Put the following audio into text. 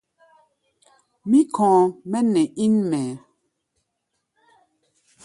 Mí kɔ̧ɔ̧ mɛ́ nɛ ín mɛɛ.